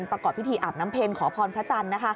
ประกอบพิธีอาบน้ำเพ็ญขอพรพระจันทร์